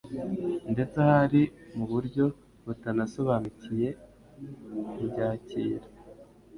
ndetse ahari mu buryo butanasobanukiye ubyakira,